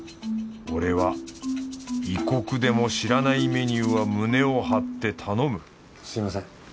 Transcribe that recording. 俺は異国でも知らないメニューは胸を張って頼むすみません。